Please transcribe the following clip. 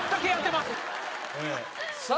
さあ